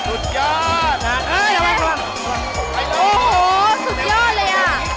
โอ้โห้สุดยอดเลยอ่ะ